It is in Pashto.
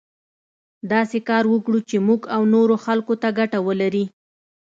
داسې کار وکړو چې موږ او نورو خلکو ته ګټه ولري.